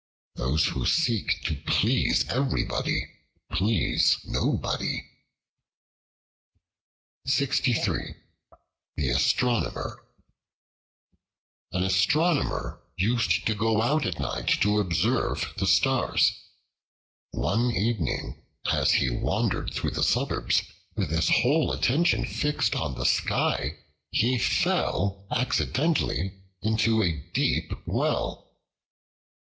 Those who seek to please everybody please nobody. The Astronomer AN ASTRONOMER used to go out at night to observe the stars. One evening, as he wandered through the suburbs with his whole attention fixed on the sky, he fell accidentally into a deep well.